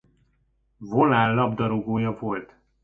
Volán labdarúgója volt.